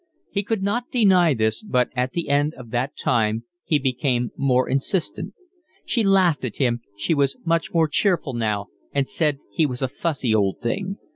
He could not deny this, but at the end of that time he became more insistent. She laughed at him, she was much more cheerful now, and said he was a fussy old thing.